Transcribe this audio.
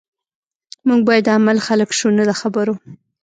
موږ باید د عمل خلک شو نه د خبرو